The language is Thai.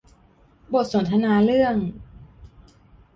บทสนทนาเรื่อง